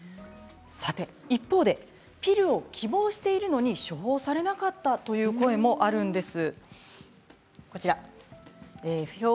一方でピルを希望しているのに処方されなかったという声もあるんです。